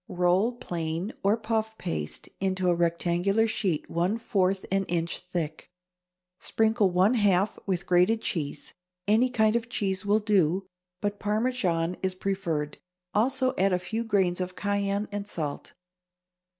= Roll plain or puff paste into a rectangular sheet one fourth an inch thick. Sprinkle one half with grated cheese (any kind of cheese will do, but Parmesan is preferred); also add a few grains of cayenne and salt.